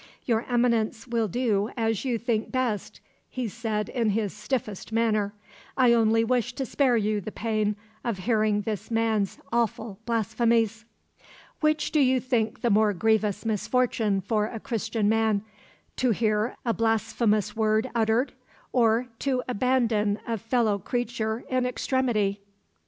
"Your Eminence will do as you think best," he said in his stiffest manner. "I only wished to spare you the pain of hearing this man's awful blasphemies." "Which do you think the more grievous misfortune for a Christian man; to hear a blasphemous word uttered, or to abandon a fellow creature in extremity?"